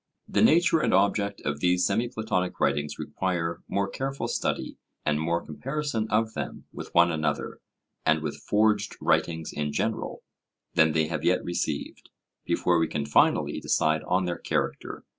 The nature and object of these semi Platonic writings require more careful study and more comparison of them with one another, and with forged writings in general, than they have yet received, before we can finally decide on their character.